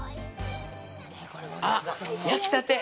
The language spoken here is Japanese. あっ、焼きたて！